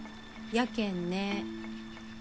やけんね。